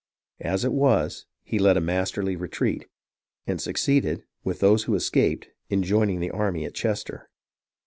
As it was, he led a masterly retreat, and suc ceeded, with those who escaped, in joining the army at Chester.